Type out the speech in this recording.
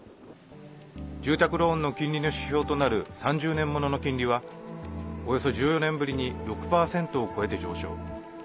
住宅ローンの金利の指標となる３０年ものの金利はおよそ１４年ぶりに６％を超えて上昇。